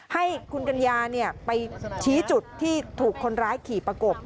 ให้คุณกัญญาไปชี้จุดที่ถูกคนร้ายขี่ประกบ